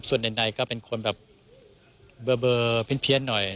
ส่วนใดก็เป็นคนแบบเบอร์เพี้ยนหน่อย